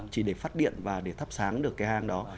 chỉ để phát điện và để thắp sáng được cái hang đó